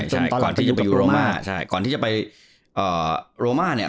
ใช่ก่อนที่จะไปอยู่โรมาใช่ก่อนที่จะไปเอ่อโรมาเนี่ย